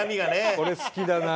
これ好きだな。